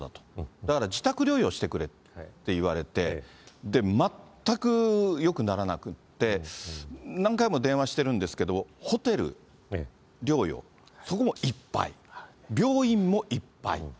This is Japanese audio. だから自宅療養してくれって言われて、全くよくならなくって、何回も電話してるんですけど、ホテル療養、そこもいっぱい、病院もいっぱい。